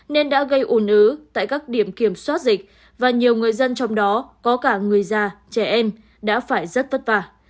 nên đã gây ủn ứ tại các điểm kiểm soát dịch và nhiều người dân trong đó có cả người già trẻ em đã phải rất vất vả